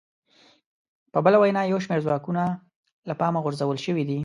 په بله وینا یو شمېر ځواکونه له پامه غورځول شوي دي